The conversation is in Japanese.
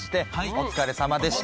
お疲れさまでした。